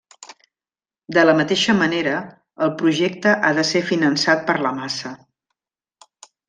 De la mateixa manera, el projecte ha de ser finançat per la massa.